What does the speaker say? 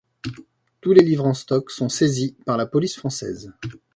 Tous les livres en stock sont saisis par la police française.